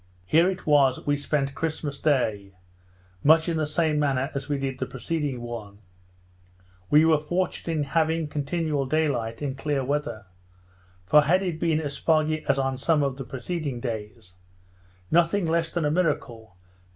Here it was we spent Christmas day, much in the same manner as we did the preceding one. We were fortunate in having continual day light, and clear weather, for had it been as foggy as on some of the preceding days, nothing less than a miracle could have saved us from being dashed to pieces.